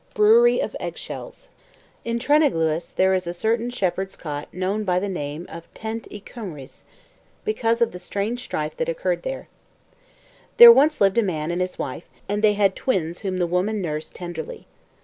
BREWERY OF EGGSHELLS In Treneglwys there is a certain shepherd's cot known by the name of Twt y Cymrws because of the strange strife that occurred there. There once lived there a man and his wife, and they had twins whom the woman nursed tenderly.